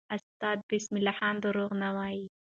استاد بسم الله خان دروغ نه وایي.